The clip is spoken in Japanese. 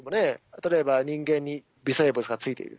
例えば人間に微生物がついている。